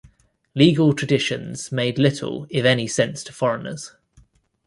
Legal traditions made little if any sense to foreigners.